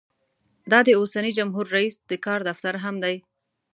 دا د اوسني جمهور رییس د کار دفتر هم دی.